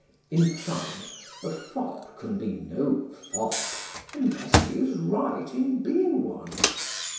In fine, a fop can be no fop unless he is right in being one.